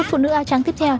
một phụ nữ á trắng tiếp theo